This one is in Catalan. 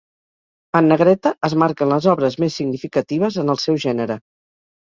En negreta es marquen les obres més significatives en el seu gènere.